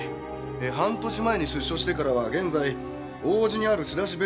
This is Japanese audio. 半年前に出所してからは現在王子にある仕出し弁当店で働いています。